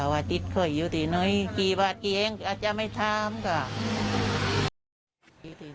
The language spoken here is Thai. วันอาทิตย์เขาอยู่ตีน้อยกี่บาทกี่เองอาจจะไม่ทำค่ะ